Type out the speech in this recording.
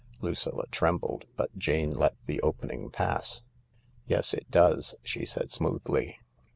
Lucilla trembled, but Jane let the opening pass. " Yes, it does," she said smoothly.